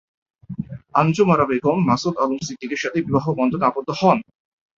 আঞ্জুমান আরা বেগম মাসুদ আলম সিদ্দিকীর সাথে বিবাহবন্ধনে আবদ্ধ হন।